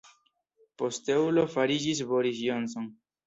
Posteulo fariĝis Boris Johnson.